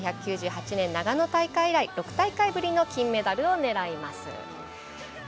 １９９８年、長野大会以来６大会ぶりの金メダルを狙います。